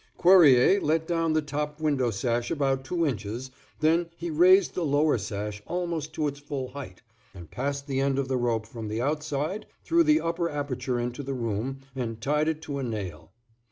Cuerrier let down the top window sash about two inches, then he raised the lower sash almost to its full height, and passed the end of the rope from the outside through the upper aperture into the room, and tied it to a nail.